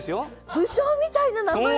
武将みたいな名前だ！